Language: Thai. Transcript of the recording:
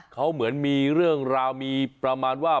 เขาเหมือนมีเรื่องราวมีประมาณว่า